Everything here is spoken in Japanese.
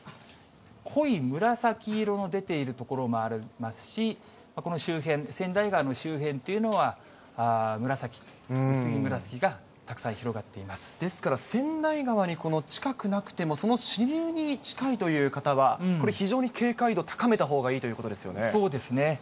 濃い紫色の出ている所もありますし、この周辺、川内川の周辺っていうのは紫、ですから川内川に近くなくても、その支流に近いという方は、これ、非常に警戒度、高めたほうそうですね。